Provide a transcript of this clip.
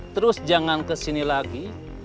terus jangan kesini lagi